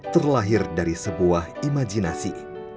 terlahir dari sebuah imajinasi